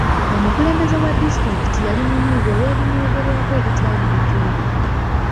Omukulembeze wa disitulikiti yali munyiivu olw'ebimwogerwako ebitali bituufu.